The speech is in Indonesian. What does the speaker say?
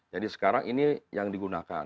jadi sekarang ini yang digunakan